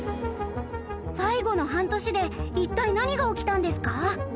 最後の半年で一体何が起きたんですか？